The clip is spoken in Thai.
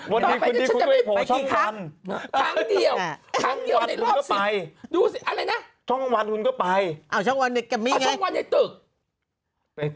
วันนี้คุณดีคุณต้องไปโผลส์ช่องกัน